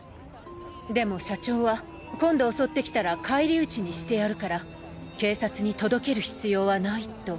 でも社長は今度襲ってきたら返り討ちにしてやるから警察に届ける必要はないと。